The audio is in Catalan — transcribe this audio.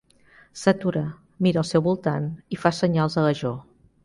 S'atura, mira al seu voltant i fa senyals a la Jo.